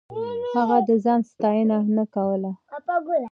هغه د ځان ستاينه نه کوله.